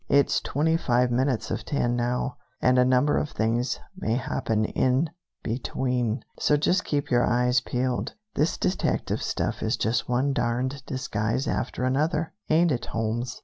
It's twenty five minutes of ten now, and a number of things may happen in between, so just keep your eyes peeled." "This detective stuff is just one darned disguise after another, ain't it, Holmes?